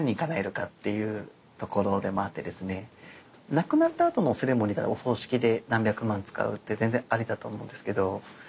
亡くなった後のセレモニーでお葬式で何百万使うって全然ありだと思うんですけど。